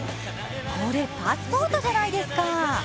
これ、パスポートじゃないですか。